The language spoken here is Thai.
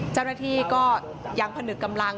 เจ้าหน้าที่ก็ยังผนึกกำลัง